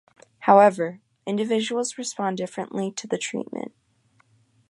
However, individuals respond differently to the treatment.